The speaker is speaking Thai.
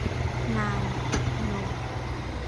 นานนม